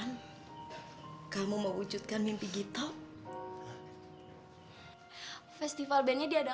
sekarang ibu sudah ikhlas sama gita